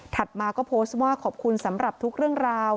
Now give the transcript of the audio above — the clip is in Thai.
มาก็โพสต์ว่าขอบคุณสำหรับทุกเรื่องราว